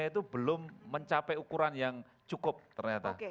itu belum mencapai ukuran yang cukup ternyata